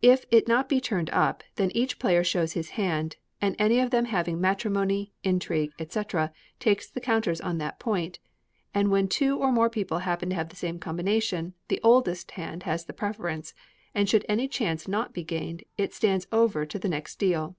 If it be not turned up, then each player shows his hand; and any of them having matrimony, intrigue, &c., takes the counters on that point; and when two or more people happen to have a similar combination, the oldest hand has the preference; and, should any chance not be gained, it stands over to the next deal.